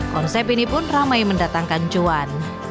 konsep ini pun ramai mendatangkan cuan